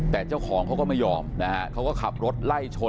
แต่เจ้าของเขาก็ไม่ยอมนะฮะเขาก็ขับรถไล่ชน